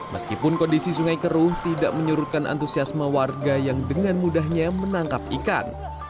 meskipun kondisi sungai keruh tidak menyurutkan antusiasme warga yang dengan mudahnya menangkap ikan